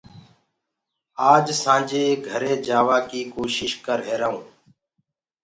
آج سآنٚجي گھري جآوآ ڪيٚ ڪوشيٚش ڪر ريهرآئونٚ